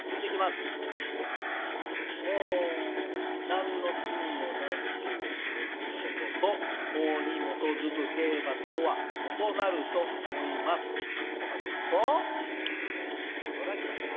「何の罪もない人を殺すことと法に基づく刑罰とは異なると思います」。とかと打つとほら来ました。